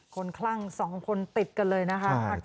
คลั่ง๒คนติดกันเลยนะคะ